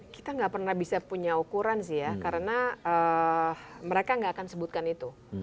kita nggak pernah bisa punya ukuran sih ya karena mereka nggak akan sebutkan itu